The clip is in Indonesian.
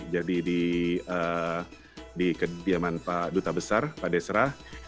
jadi di kediaman pak duta besar pak desra